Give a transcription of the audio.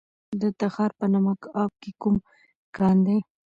د تخار په نمک اب کې کوم کان دی؟